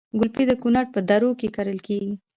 ګلپي د کونړ په درو کې کرل کیږي